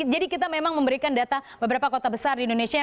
jadi kita memang memberikan data beberapa kota besar di indonesia